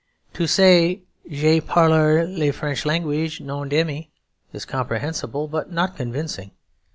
To say, "Je parler le Frenche language, non demi," is comprehensible, but not convincing.